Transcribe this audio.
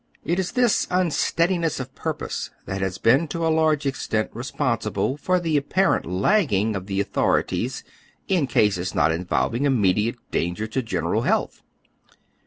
It is this unsteadiness of purpose that has been to a large extent responsible for the apparent lagging of the author ities in cases not involving immediate danger to the gen eral health.